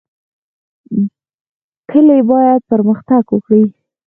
کلي باید پرمختګ وکړي